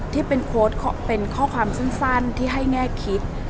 ที่เป็นข้อความสั้นที่ให้แง่คิด